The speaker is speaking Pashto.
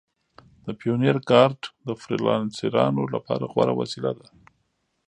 د پیونیر کارډ د فریلانسرانو لپاره غوره وسیله ده.